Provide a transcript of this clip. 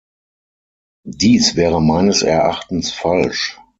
Dies wäre meines Erachtens falsch.